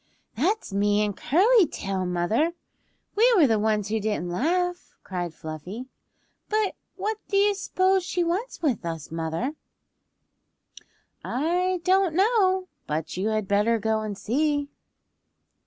"That's me and Curly Tail, mother! We were the ones who didn't laugh," cried Fluffy. "But what do you s'pose she wants with us, mother?" "I don't know, but you had better go and see."